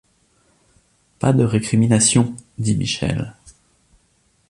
Pas de récriminations! dit Michel.